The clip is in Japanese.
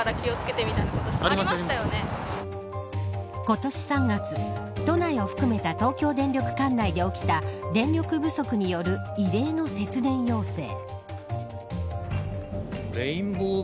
今年３月都内を含めた東京電力管内で起きた電力不足による異例の節電要請。